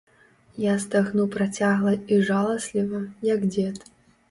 Я стагну працягла і жаласліва, як дзед.